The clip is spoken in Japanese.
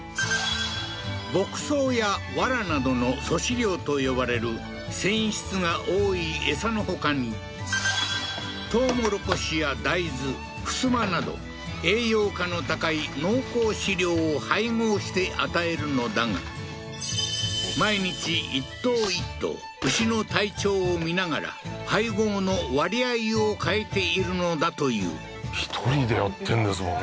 牧草や藁などの粗飼料と呼ばれる繊維質が多い餌のほかにトウモロコシや大豆ふすまなど栄養価の高い濃厚飼料を配合して与えるのだが毎日１頭１頭牛の体調を見ながら配合の割合を変えているのだという１人でやってんですもんね